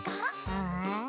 うん？